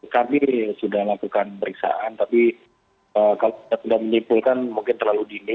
kami sudah lakukan periksaan tapi kalau tidak menipu kan mungkin terlalu dingin